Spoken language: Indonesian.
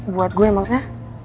buat gue maksudnya